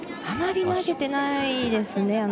あまり投げてないですね。